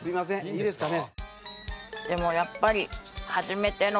いいですかね？